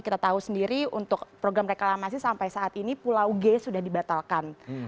kita tahu sendiri untuk program reklamasi sampai saat ini pulau g sudah dibatalkan